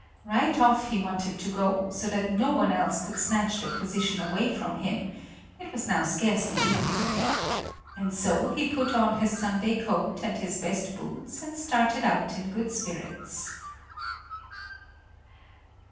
Right off he wanted to go, so that no one else could snatch the position away from him it was now scarcely evening. And so he put on his Sunday coat and his best boots and started out in good spirits.